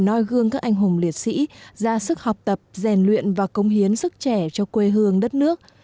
noi gương các anh hùng liệt sĩ ra sức học tập rèn luyện và công hiến sức trẻ cho quê hương đất nước